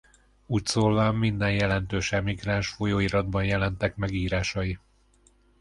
Úgyszólván minden jelentős emigráns folyóiratban jelentek meg írásai.